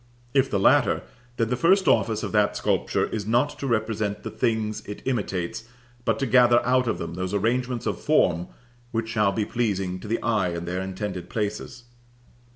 If the latter, then the first office of that sculpture is not to represent the things it imitates, but to gather out of them those arrangements of form which shall be pleasing to the eye in their intended places.